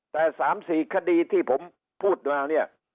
แต่๓๔คดีที่ผมพูดมาเนี่ย